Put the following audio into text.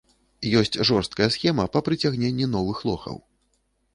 Ёсць жорсткая схема па прыцягненні новых лохаў.